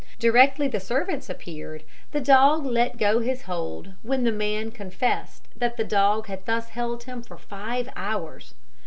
Directly the servants appeared the dog let go his hold, when the man confessed that the dog had thus held him for five hours.